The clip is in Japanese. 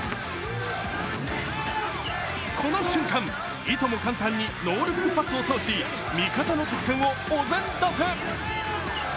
この瞬間、いとも簡単にノールックパスを通し、味方の得点をお膳立て。